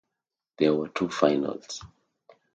There were two finals.